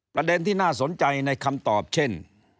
ประเด็นที่น่าสนใจในคำตอบเช่น